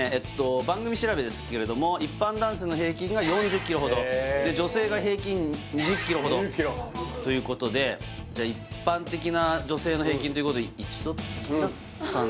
番組調べですけれども一般男性の平均が４０ｋｇほど女性が平均２０ｋｇほどということでじゃ一般的な女性の平均ということで一度富田さん私？